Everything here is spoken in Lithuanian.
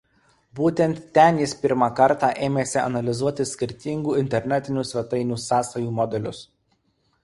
Būtent ten jis pirmą kartą ėmėsi analizuoti skirtingų internetinių svetainių sąsajų modelius.